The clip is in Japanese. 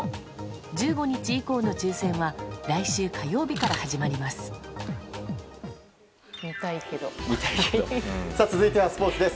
１５日以降の抽選は来週火曜日から始まります。